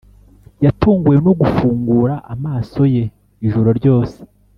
yatunguwe no gufungura amaso ye ijoro ryose